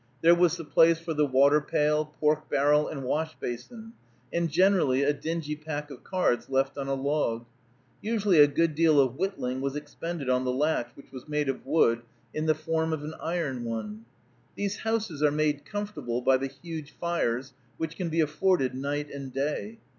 There was the place for the water pail, pork barrel, and wash basin, and generally a dingy pack of cards left on a log. Usually a good deal of whittling was expended on the latch, which was made of wood, in the form of an iron one. These houses are made comfortable by the huge fires, which can be afforded night and day.